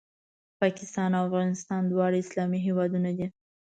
پاکستان او افغانستان دواړه اسلامي هېوادونه دي